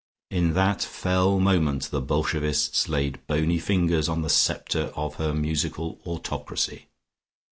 In that fell moment the Bolshevists laid bony fingers on the sceptre of her musical autocracy....